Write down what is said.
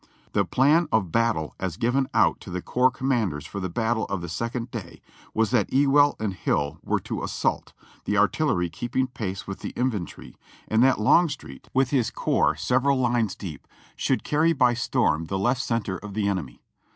The plan of battle as given out to the corps commanders for the battle of the second day was that Ewell and Hill were to assault, the artillery keeping pace with the infantry, and that Longstreet, with his corps several lines 26 402 JOHKNY REB AND BIIvLY YANK deep, should carry by storm the left center of the enemy.